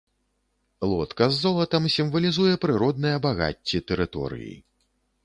Лодка з золатам сімвалізуе прыродныя багацці тэрыторыі.